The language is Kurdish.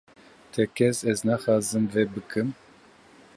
Tekez ez naxwazim vê bikim